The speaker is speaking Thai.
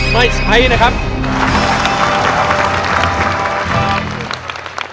ไม่ใช้นะครับ